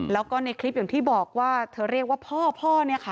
แล้วก็ในคลิปอย่างที่บอกว่าเธอเรียกว่าพ่อพ่อเนี่ยค่ะ